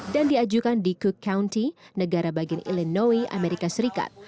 dan diajukan di cook county negara bagian illinois amerika serikat